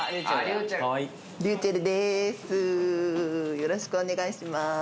よろしくお願いします